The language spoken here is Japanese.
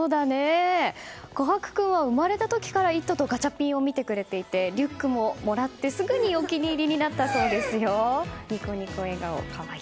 虎珀君は生まれた時からガチャピンを見てくれていてリュックも、もらってすぐにお気に入りになったそうですよ。